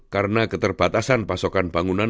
karena keterbatasan pasokan panggung